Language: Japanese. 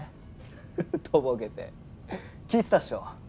フフッとぼけて聞いてたっしょ？